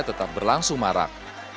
tetap berlangsung marah